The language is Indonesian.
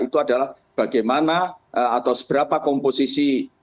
itu adalah bagaimana atau seberapa komposisi senyawa yang terdapat